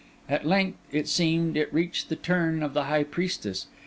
At length, it seemed, it reached the turn of the high priestess.